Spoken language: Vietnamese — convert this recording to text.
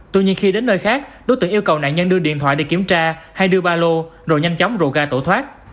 tuy nhiên khi đến nơi khác đối tượng yêu cầu nạn nhân đưa điện thoại để kiểm tra hay đưa ba lô rồi nhanh chóng rủ ra tổ thoát